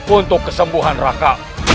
untuk kesembuhan raka